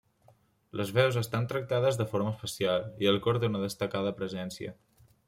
Les veus estan tractades de forma especial, i el cor té una destacada presència.